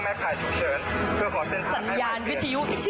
ของท่านได้เสด็จเข้ามาอยู่ในความทรงจำของคน๖๗๐ล้านคนค่ะทุกท่าน